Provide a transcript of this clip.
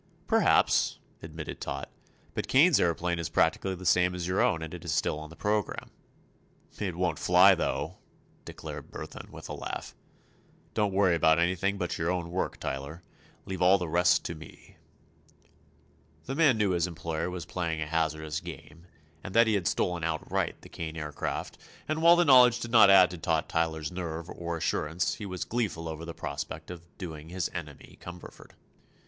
"Perhaps," admitted Tot. "But Kane's aëroplane is practically the same as your own, and it is still on the programme." "It won't fly, though," declared Burthon, with a laugh. "Don't worry about anything but your own work, Tyler. Leave all the rest to me." The man knew his employer was playing a hazardous game and that he had stolen outright the Kane Aircraft, and while the knowledge did not add to Tot Tyler's nerve or assurance he was gleeful over the prospect of "doing" his enemy, Cumberford.